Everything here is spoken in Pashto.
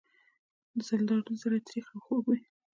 د زردالو زړې تریخ او خوږ وي.